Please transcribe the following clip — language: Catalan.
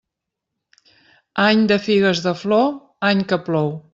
Any de figues de flor, any que plou.